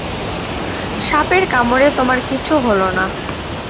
সাপের কামড়ে তোমার কিছু হল না।